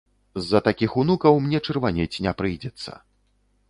З-за такіх унукаў мне чырванець не прыйдзецца.